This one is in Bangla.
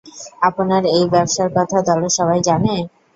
আপনার এই ব্যবসার কথা দলের সবাই জানে?